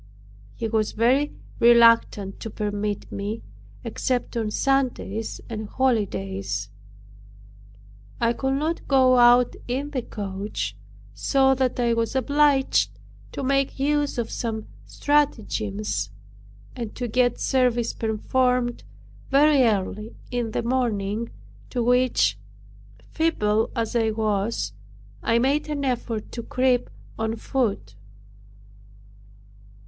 He was very reluctant to permit me, except on Sundays and holidays. I could not go out in the coach, so that I was obliged to make use of some stratagems, and to get service performed very early in the morning, to which, feeble as I was, I made an effort to creep on foot.